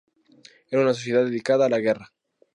Era una sociedad dedicada a la guerra.